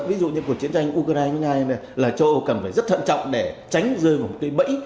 ví dụ như cuộc chiến tranh ukraine với nga này là châu âu cần phải rất thận trọng để tránh rơi vào một cái bẫy